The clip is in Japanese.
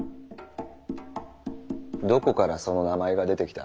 どこからその名前が出てきた？